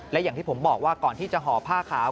และอย่างที่ผมบอกว่าก่อนที่จะห่อผ้าขาว